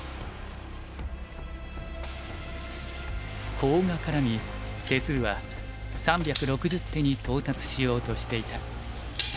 コウが絡み手数は３６０手に到達しようとしていた。